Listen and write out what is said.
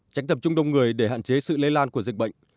tránh tập trung đông người để hạn chế sự lây lan của dịch bệnh